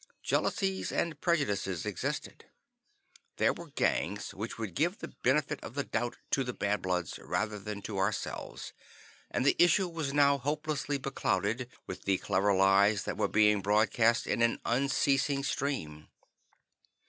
Jealousies and prejudices existed. There were gangs which would give the benefit of the doubt to the Bad Bloods, rather than to ourselves, and the issue was now hopelessly beclouded with the clever lies that were being broadcast in an unceasing stream.